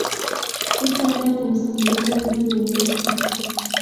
Sitawahi kumsikiliza mtu yetyote